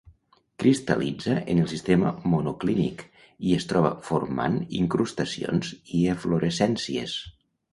Cristal·litza en el sistema monoclínic, i es troba formant incrustacions i eflorescències.